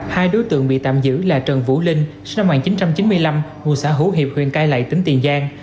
hai đối tượng bị tạm giữ là trần vũ linh sinh năm một nghìn chín trăm chín mươi năm ngụ xã hữu hiệp huyện cai lậy tỉnh tiền giang